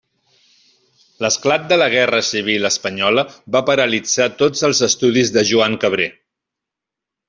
L'esclat de la Guerra Civil espanyola va paralitzar tots els estudis de Joan Cabré.